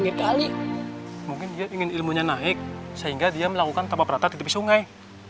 itali mungkin dia ingin ilmunya naik sehingga dia melakukan taba prata di sungai